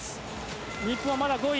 日本は、まだ５位。